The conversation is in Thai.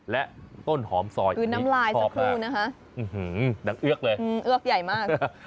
และต้นหอมซอยคือน้ำลายสักครู่นะคะดังเอือกเลยเอือกใหญ่มาก